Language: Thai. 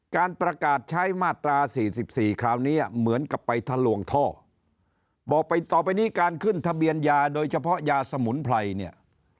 การประกาศใช้มาตรา๔๔คราวนี้เหมือนกับไปทะลวงท่อบอกไปต่อไปนี้การขึ้นทะเบียนยาโดยเฉพาะยาสมุนไพรเนี่ย